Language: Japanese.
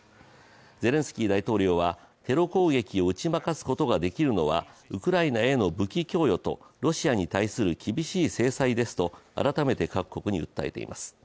ゼレンスキー大統領は、テロ攻撃を打ち負かすことができるのはウクライナへの武器供与とロシアに対する厳しい制裁ですと改めて各国に訴えています。